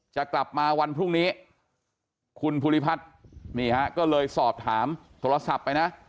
จะกลับมาวันพรุ่งนี้คุณภูริพัฒน์นี่ฮะก็เลยสอบถามโทรศัพท์ไปนะ